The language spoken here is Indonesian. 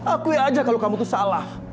aku ya ajar kalau kamu tuh salah